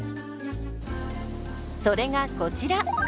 それがこちら。